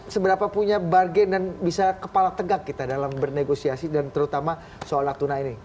seberapa punya bargain dan bisa kepala tegak kita dalam bernegosiasi dan terutama soal natuna ini